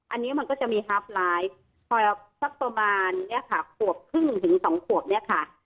อันนี้มันก็จะมีฮับไลฟ์พอสักประมาณเนี่ยค่ะขวบครึ่งถึงสองขวบเนี่ยค่ะ